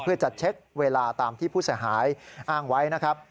เพื่อจะเช็คเวลาตามที่ผู้เสียหายอ้างไว้นะครับ